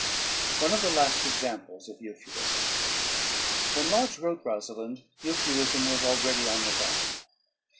One of the Last Examples of Euphuism. When Lodge wrote "Rosalynde," euphuism was already on the wane.